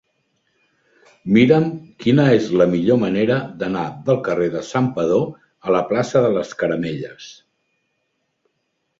Mira'm quina és la millor manera d'anar del carrer de Santpedor a la plaça de les Caramelles.